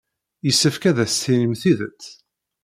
Yessefk ad as-tinim tidet.